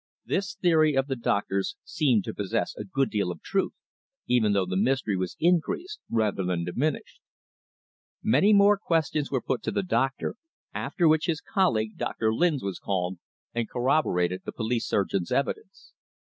This theory of the doctor's seemed to possess a good deal of truth, even though the mystery was increased rather than diminished. Many more questions were put to the doctor, after which his colleague, Dr. Lynes, was called, and corroborated the police surgeon's evidence.